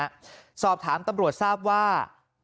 สอบถามตำรวจทราบว่า